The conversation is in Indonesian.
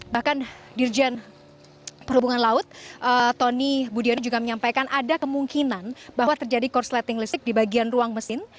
bahkan dirjen perhubungan laut tony budiono juga menyampaikan ada kemungkinan bahwa terjadi korsleting listrik di bagian ruang mesin